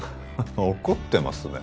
怒ってますね